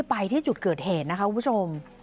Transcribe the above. ไปที่จุดเกิดเหตุนะคะคุณผู้ชม